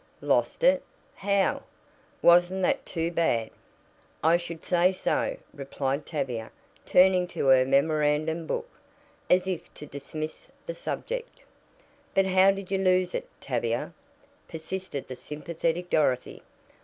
"Lost it? How? Wasn't that too bad!" "I should say so," replied Tavia, turning to her memorandum book, as if to dismiss the subject. "But how did you lose it, Tavia?" persisted the sympathetic Dorothy.